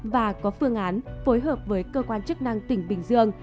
và có phương án phối hợp với cơ quan chức năng tỉnh bình dương